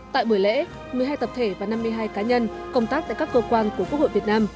tại buổi lễ một mươi hai tập thể và năm mươi hai cá nhân công tác tại các cơ quan của quốc hội việt nam